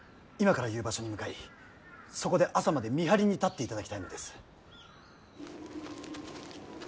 今から言う場所に向かいそこで朝まで見張りに立っていただきたいのです。